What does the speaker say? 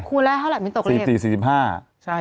คูณแล้วเท่าไหร่มันตกเลย